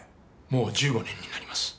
もう１５年になります。